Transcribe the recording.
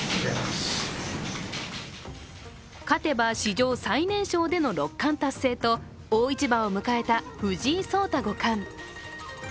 勝てば史上最年少での六冠達成と大一番を迎えた藤井聡太五冠。